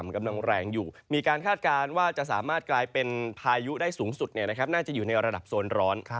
กลายเป็นพายุได้สูงสุดน่าจะอยู่ในระดับโซนร้อน